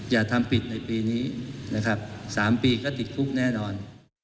อย่าทำผิดในปีนี้นะครับ๓ปีก็ติดคุกแน่นอน